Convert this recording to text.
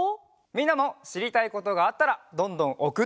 みんなもしりたいことがあったらどんどんおくってね！